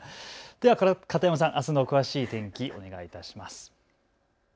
では片山さん、あすの詳しい天気、お願いします。